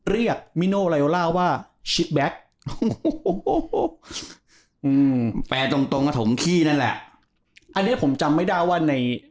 เรียกมิโนไลโอล่าว่าแปลตรงตรงกระถมขี้นั่นแหละอันเนี้ยผมจำไม่ได้ว่าใน